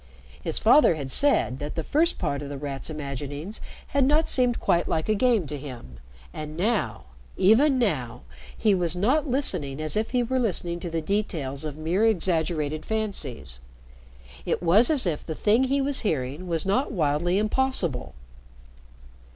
His father had said that the first part of The Rat's imaginings had not seemed quite like a game to him, and now even now he was not listening as if he were listening to the details of mere exaggerated fancies. It was as if the thing he was hearing was not wildly impossible.